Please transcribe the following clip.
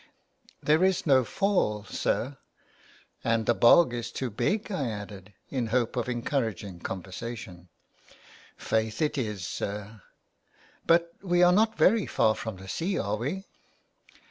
" There's no fall, sir.'' " And the bog is too big," I added, in hope of encouraging conversation. " Faith it is, sir." " But we are not very far from the sea, are we